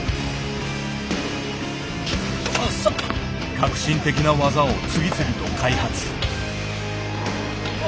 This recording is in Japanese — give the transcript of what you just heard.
革新的な技を次々と開発。